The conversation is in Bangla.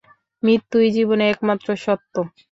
মৃত্যুই জীবনের একমাত্র সত্য।